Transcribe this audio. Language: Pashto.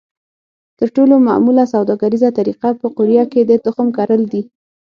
تر ټولو معموله سوداګریزه طریقه په قوریه کې د تخم کرل دي.